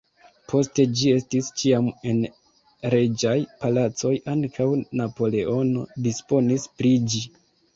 Poste ĝi estis ĉiam en reĝaj palacoj, ankaŭ Napoleono disponis pri ĝi.